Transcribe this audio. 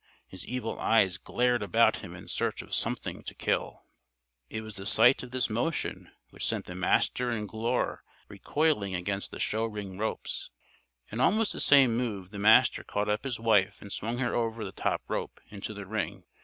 His evil eyes glared about him in search of something to kill. It was the sight of this motion which sent the Master and Glure recoiling against the show ring ropes. In almost the same move the Master caught up his wife and swung her over the top rope, into the ring.